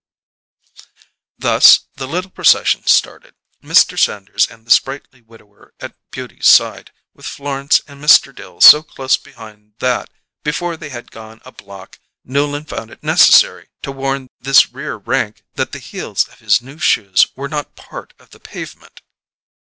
Thus the little procession started, Mr. Sanders and the sprightly widower at Beauty's side, with Florence and Mr. Dill so close behind that, before they had gone a block, Newland found it necessary to warn this rear rank that the heels of his new shoes were not part of the pavement.